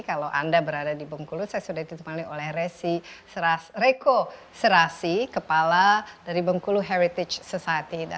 kalau anda berada di bengkulu saya sudah ditemani oleh resi reko serasi kepala dari bengkulu heritage society